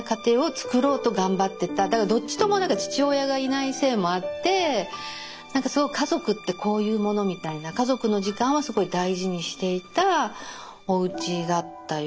どっちとも父親がいないせいもあって何か家族ってこういうものみたいな家族の時間はすごい大事にしていたおうちだったように思いますね。